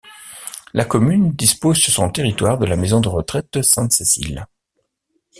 La commune dispose sur son territoire de la maison de retraite Sainte-Cécile.